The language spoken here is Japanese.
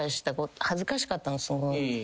恥ずかしかったのすごい。